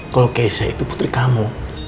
kalau keisha itu putri kamu